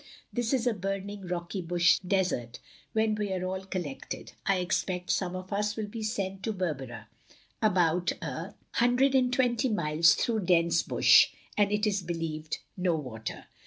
.. This is a burning rocky bush desert. ... when we are all collected I expect some of us will be sent to Berbera; about a 249 2SO THE LONELY LADY hundred and twenty miles through dense bush, and it is believed no water.